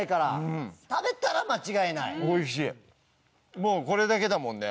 もうこれだけだもんね